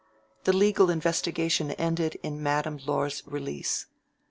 The legal investigation ended in Madame Laure's release.